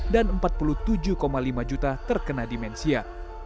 dan empat puluh tujuh lima juta terkena dimensia